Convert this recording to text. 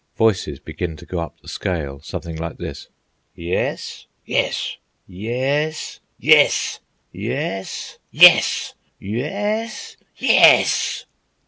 Voices begin to go up the scale, something like this:— "Yes?" "Yes!" "Yes?" "Yes!" "Yes?" "Yes!" "Yes?" "Yes!"